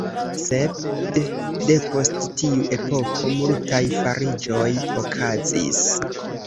Sed depost tiu epoko multaj fariĝoj okazis.